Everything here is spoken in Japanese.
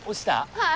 はい。